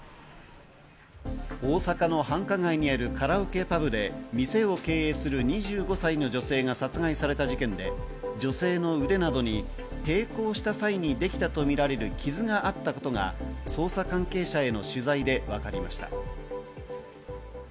大阪の繁華街にあるカラオケパブで、店を経営する２５歳の女性が殺害された事件で、女性の腕などに抵抗した際にできたとみられる傷があったことが捜査関係者への取材でわかりました。